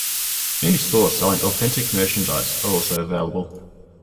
Many stores selling authentic merchandise are also available.